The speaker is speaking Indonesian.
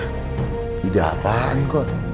tidak apaan kot